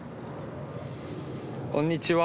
こんにちは。